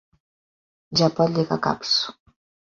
Ja pot lligar caps.